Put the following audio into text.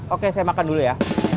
oke saya makan dulu ya